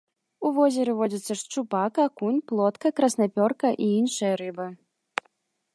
У возеры водзяцца шчупак, акунь, плотка, краснапёрка і іншыя рыбы.